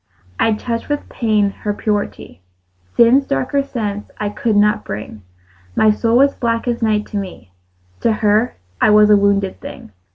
I touched with pain her purity; Sin's darker sense I could not bring: My soul was black as night to me: To her I was a wounded thing.